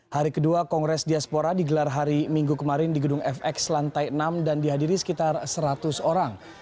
hari kedua kongres diaspora digelar hari minggu kemarin di gedung fx lantai enam dan dihadiri sekitar seratus orang